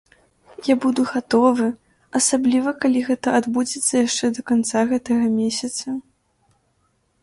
Я буду гатовы, асабліва калі гэта адбудзецца яшчэ да канца гэтага месяца.